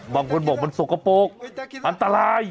บางคนบอกมันสกปรกอันตราย